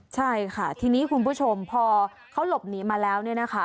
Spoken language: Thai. ใช่ค่ะทีนี้คุณผู้ชมพอเขาหลบหนีมาแล้ว